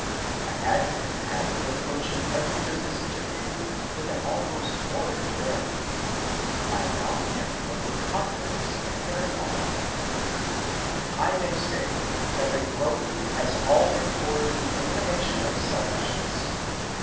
I had been in the habit of approaching every business interview with an almost morbid dread. I now meet every one with confidence and inner calm. "I may say that the growth has all been toward the elimination of selfishness.